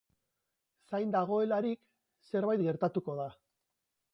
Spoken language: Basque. Zain dagoelarik, zerbait gertatuko da.